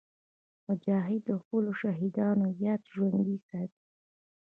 مجاهد د خپلو شهیدانو یاد ژوندي ساتي.